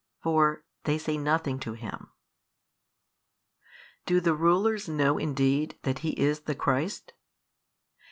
For they say nothing to Him. Do the rulers know indeed that He is the Christ?